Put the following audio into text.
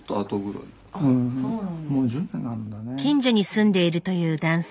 近所に住んでいるという男性。